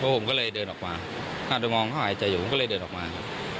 ผมก็เลยเดินออกมาหันไปมองเขาหายใจอยู่ผมก็เลยเดินออกมาครับ